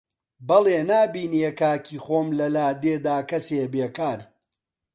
بەڵێ نابینی کاکی خۆم لە لادێدا کەسێ بێکار